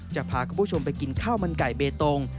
จะพาคุณผู้ชมไปกินข้าวมันไก่เบตง